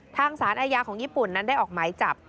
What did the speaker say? ทางศาสตร์อายาของญี่ปุ่นนั้นได้ออกไม้จับ